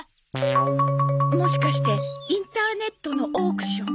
もしかしてインターネットのオークション？